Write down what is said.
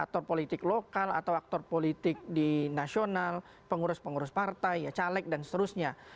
aktor politik lokal atau aktor politik di nasional pengurus pengurus partai caleg dan seterusnya